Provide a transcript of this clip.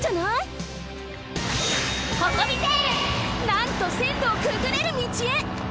なんとせんろをくぐれる道へ！